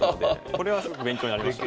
これはすごく勉強になりました。